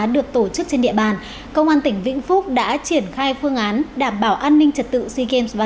được tổ chức trên địa bàn công an tỉnh vĩnh phúc đã triển khai phương án đảm bảo an ninh trật tự sea